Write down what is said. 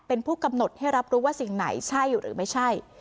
เป็นผู้กำหนดให้รับรู้ว่าสิ่งไหนใช่หรือไม่ใช่